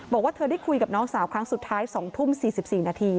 บอกว่าเธอได้คุยกับน้องสาวครั้งสุดท้าย๒ทุ่ม๔๔นาที